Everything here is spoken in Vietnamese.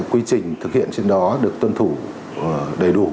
quy trình thực hiện trên đó được tuân thủ đầy đủ